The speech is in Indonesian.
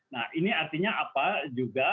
nah ini artinya apa juga